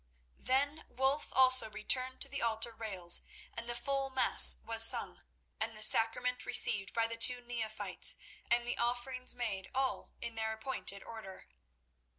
Then Wulf also returned to the altar rails, and the full Mass was sung, and the Sacrament received by the two neophytes, and the offerings made all in their appointed order.